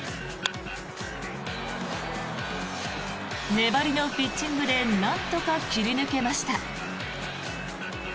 粘りのピッチングでなんとか切り抜けました。